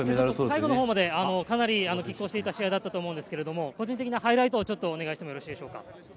最後のほうまでかなりきっ抗していた試合だったと思うんですけれども、個人的なハイライトを、ちょっとお願いしてよろしいでしょうか。